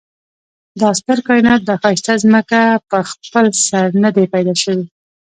دا ستر کاينات دا ښايسته ځمکه په خپل سر ندي پيدا شوي